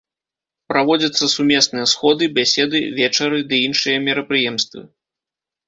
Праводзяцца сумесныя сходы, бяседы, вечары ды іншыя мерапрыемствы.